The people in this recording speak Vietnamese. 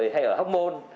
hay ở hoc mon